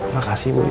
makasih bu yola